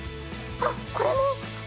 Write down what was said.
あっこれも！